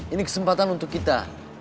ini kesempatan untuk kita